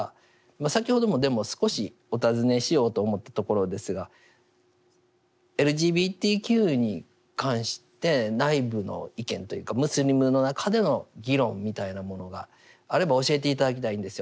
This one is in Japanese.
先ほどもでも少しお尋ねしようと思ったところですがＬＧＢＴＱに関して内部の意見というかムスリムの中での議論みたいなものがあれば教えて頂きたいんですよ。